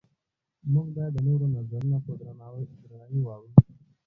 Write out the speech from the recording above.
موږ باید د نورو نظرونه په درناوي واورو